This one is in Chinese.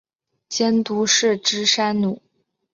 监督是芝山努。